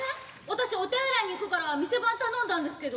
私お手洗いに行くから店番頼んだんですけど。